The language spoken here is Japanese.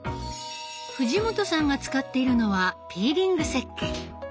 藤本さんが使っているのはピーリング石けん。